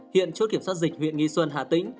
hiện chốt kiểm soát dịch huyện nghi xuân hà tĩnh